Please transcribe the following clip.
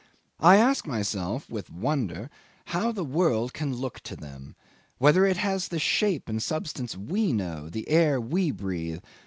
I ask myself with wonder how the world can look to them whether it has the shape and substance we know, the air we breathe!